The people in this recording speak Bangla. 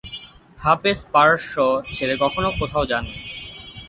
হাফেজ পারস্য ছেড়ে কখনো কোথাও যাননি।